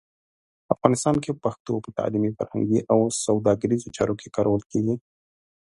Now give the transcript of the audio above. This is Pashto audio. افغانستان کې پښتو په تعلیمي، فرهنګي او سوداګریزو چارو کې کارول کېږي.